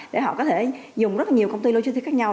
để họ có thể dùng rất là nhiều công ty logistics khác nhau